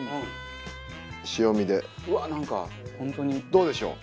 どうでしょう？